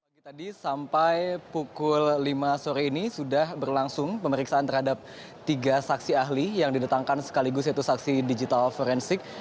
pagi tadi sampai pukul lima sore ini sudah berlangsung pemeriksaan terhadap tiga saksi ahli yang didatangkan sekaligus yaitu saksi digital forensik